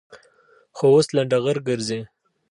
خو اوس لنډغر گرځي.